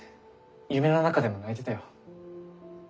夢の中でも泣いてたよ。